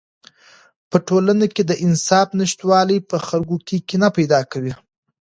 په ټولنه کې د انصاف نشتوالی په خلکو کې کینه پیدا کوي.